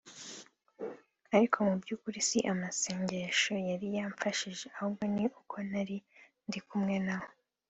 ariko mu by’ukuri si amasengesho yari yamfashije ahubwo ni uko nari ndi kumwe nawe